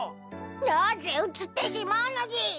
なぜうつってしまうのでぃす。